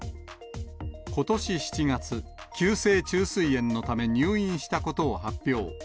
ことし７月、急性虫垂炎のため入院したことを発表。